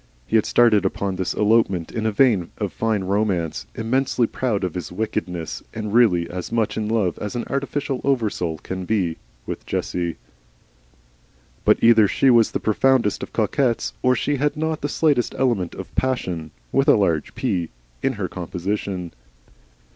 He had started upon this elopement in a vein of fine romance, immensely proud of his wickedness, and really as much in love as an artificial oversoul can be, with Jessie. But either she was the profoundest of coquettes or she had not the slightest element of Passion (with a large P) in her composition.